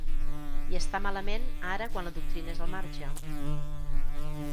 I està malament ara quan la doctrina és al marge.